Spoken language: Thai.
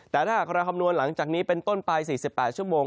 แต่ถ้าหากเราคำนวณหลังจากนี้เป็นต้นไป๔๘ชั่วโมง